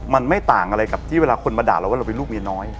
มันไม่ต่างอะไรกับที่เวลาคนมาด่าเราว่าเราเป็นลูกเมียน้อย